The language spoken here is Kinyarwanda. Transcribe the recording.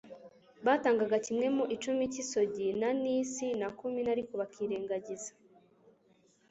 Batangaga kimwe mu icumi cy'isogi n'anisi na kumino" ariko bakirengagiza "